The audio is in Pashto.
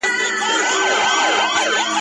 زما د مینی شور به تل وی زما د مینی اور به بل وی `